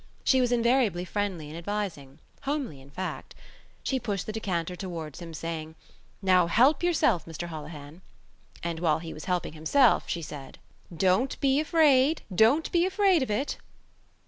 She was invariably friendly and advising—homely, in fact. She pushed the decanter towards him, saying: "Now, help yourself, Mr Holohan!" And while he was helping himself she said: "Don't be afraid! Don't be afraid of it!"